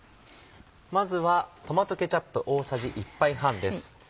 まずはトマトケチャップ大さじ１杯半です。